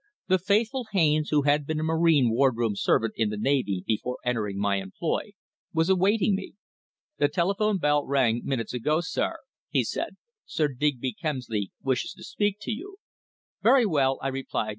The faithful Haines, who had been a marine wardroom servant in the navy before entering my employ, was awaiting me. "The telephone bell rang ten minutes ago, sir," he said. "Sir Digby Kemsley wishes to speak to you." "Very well!" I replied.